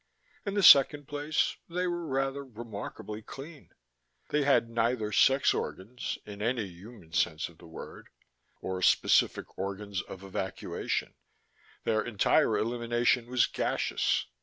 In the second place, they were rather remarkably clean. They had neither sex organs, in any human sense of the word, or specific organs of evacuation: their entire elimination was gaseous.